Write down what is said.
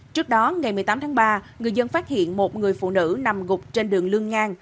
trước đó ngày một mươi tám tháng ba người dân phát hiện một người phụ nữ nằm gục trên đường lương ngang